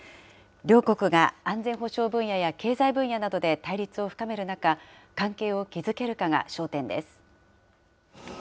両国が安全保障分野や経済分野などで対立を深める中、関係を築けるかが焦点です。